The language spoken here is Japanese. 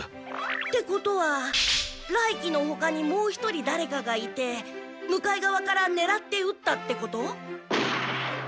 ってことは雷鬼のほかにもう一人だれかがいて向かいがわからねらってうったってこと？